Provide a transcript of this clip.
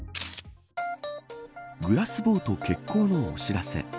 グラスボート欠航のお知らせ。